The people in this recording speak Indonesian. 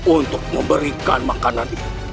untuk memberikan makanan ini